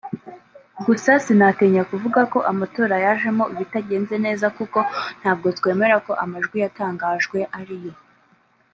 Gusa sinatinya kuvuga ko amatora yajemo ibitagenze neza kuko ntabwo twemera ko amajwi yatangajwe ariyo